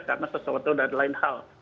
karena sesuatu dan lain hal